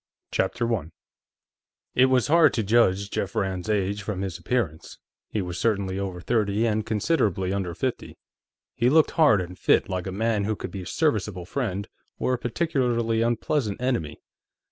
_ CHAPTER 1 It was hard to judge Jeff Rand's age from his appearance; he was certainly over thirty and considerably under fifty. He looked hard and fit, like a man who could be a serviceable friend or a particularly unpleasant enemy.